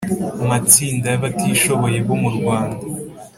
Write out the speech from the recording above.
matsinda y abatishoboye bo mu Rwanda